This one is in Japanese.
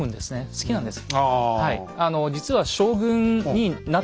好きなんです。